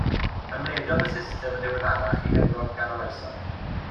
Ymledodd y system, yn ddiweddarach, i Ewrop ganoloesol.